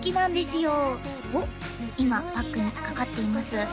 今バックにかかっています